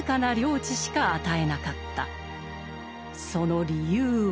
その理由は。